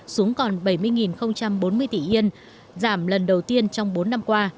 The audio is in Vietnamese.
xuống còn bảy mươi bốn mươi tỷ yên giảm lần đầu tiên trong bốn năm qua